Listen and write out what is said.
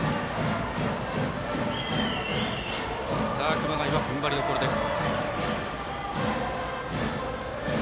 熊谷はふんばりどころです。